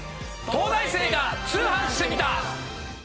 『東大生が通販してみた！！』。